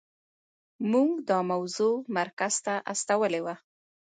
موږ دا موضوع مرکز ته استولې وه.